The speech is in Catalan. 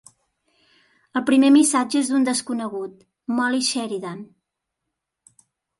El primer missatge és d'un desconegut, Molly Sheridan.